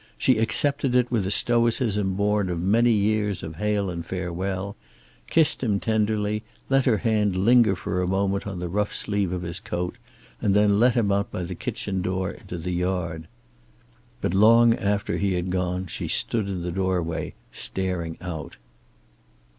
She accepted it with a stoicism born of many years of hail and farewell, kissed him tenderly, let her hand linger for a moment on the rough sleeve of his coat, and then let him out by the kitchen door into the yard. But long after he had gone she stood in the doorway, staring out...